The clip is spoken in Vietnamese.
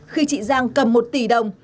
khi chị giang cầm một tỷ đồng